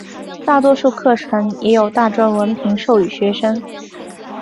大多数课程也有大专文凭授予学生。